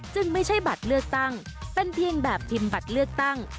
ไม่ใช่บัตรเลือกตั้งเป็นเพียงแบบพิมพ์บัตรเลือกตั้ง